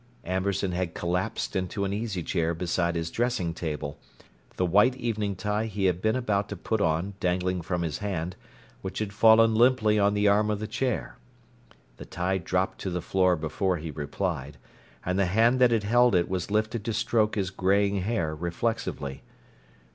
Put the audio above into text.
Amberson had collapsed into an easy chair beside his dressing table, the white evening tie he had been about to put on dangling from his hand, which had fallen limply on the arm of the chair. The tie dropped to the floor before he replied; and the hand that had held it was lifted to stroke his graying hair reflectively.